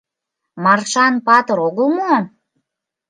Маршан-патыр огыл мо?!